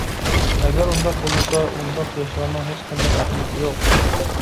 ئەگەر ئۇنداق بولمىسا، ئۇنداق ياشىغاننىڭ ھېچقانداق ئەھمىيىتى يوق.